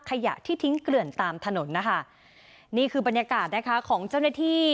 ขยะที่ทิ้งเกลื่อนตามถนนนะคะนี่คือบรรยากาศนะคะของเจ้าหน้าที่